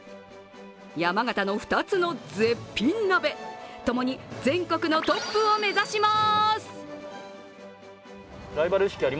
山形の２つの絶品鍋ともに全国のトップを目指します。